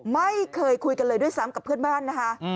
ไม่เคยคุยกันเลยด้วยซ้ำกับเพื่อนบ้านนะคะ